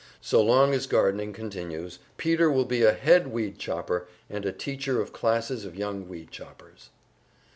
So long as gardening continues, Peter will be a head weedchopper, and a teacher of classes of young weedchoppers.